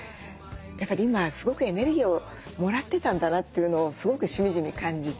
やっぱり今すごくエネルギーをもらってたんだなというのをすごくしみじみ感じて。